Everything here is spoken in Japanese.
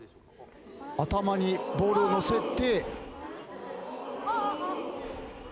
頭にボールをのせて。